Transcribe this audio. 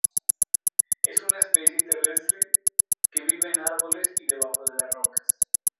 Es una especie terrestre que vive en arboles y debajo de rocas.